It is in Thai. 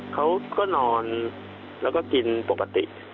เขาก็นอนแล้วก็กินปกติ